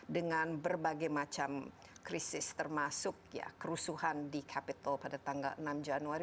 dengan berbagai macam krisis termasuk kerusuhan di capital pada tanggal enam januari